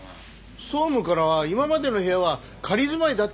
総務からは今までの部屋は仮住まいだったって聞いてますよ。